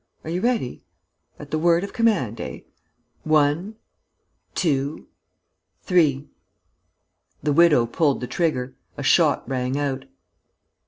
Are you ready? At the word of command, eh? One ... two ... three...." The widow pulled the trigger. A shot rang out.